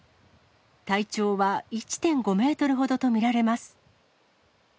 体長は１．５メートルほどと見られます。